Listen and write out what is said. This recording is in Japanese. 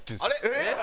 えっ！